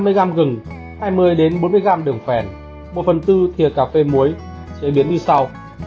một quả chanh hai ba cây xả năm mươi g gừng hai mươi bốn mươi g đường phèn một phần tư thịa cà phê muối chế biến đi sau